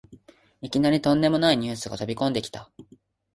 いきなりとんでもないニュースが飛びこんできた